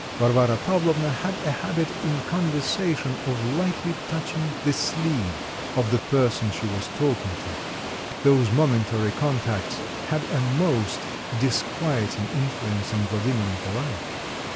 Varvara Pavlovna had a habit in conversation of lightly touching the sleeve of the person she was talking to; those momentary contacts had a most disquieting influence on Vladimir Nikolaitch.